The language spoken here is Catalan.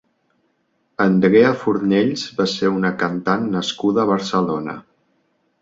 Andrea Fornells va ser una cantant nascuda a Barcelona.